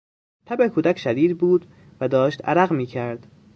تب کودک شدید بود و داشت عرق میکرد.